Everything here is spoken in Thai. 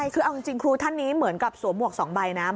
คือเอาจริงครูท่านนี้เหมือนกับสวมหวก๒ใบนะ